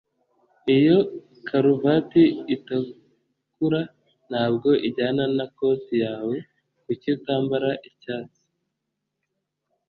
iyo karuvati itukura ntabwo ijyana na koti yawe. kuki utambara icyatsi